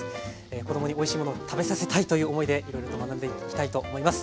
子どもにおいしいものを食べさせたいという思いでいろいろと学んでいきたいと思います。